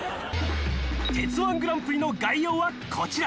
［鉄−１グランプリの概要はこちら］